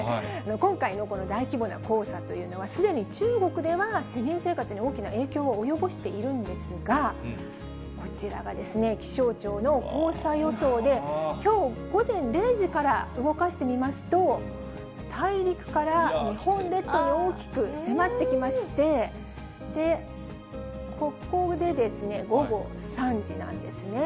今回のこの大規模な黄砂というのは、すでに中国では市民生活に大きな影響を及ぼしているんですが、こちらは気象庁の黄砂予想で、きょう午前０時から動かしてみますと、大陸から日本列島に大きく迫ってきまして、ここで午後３時なんですね。